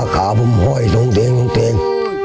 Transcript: ขาผมซ้วงเทียง